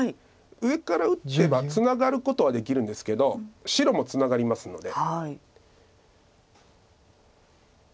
上から打てばツナがることはできるんですけど白もツナがりますので。